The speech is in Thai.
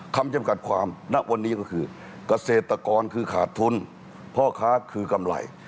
คำจำกัดความณวันนี้ก็คือเกษตรกรคือขาดทุนพ่อค้าคือกำไร